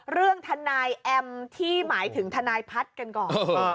เรื่องทนายแอมที่หมายถึงทนายพัฒน์กันก่อน